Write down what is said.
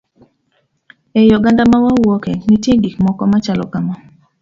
E oganda ma wawuoke nitie gik moko machalo kama.